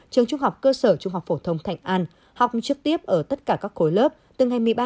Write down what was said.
trường trung học cơ sở trung học phổ thông thạnh an học trực tiếp ở tất cả các khối lớp từ ngày một mươi ba một mươi hai